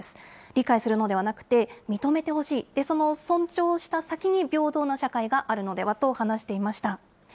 理解するのではなくて、認めてほしい、その尊重した先に平等な社会があるのではと話していました。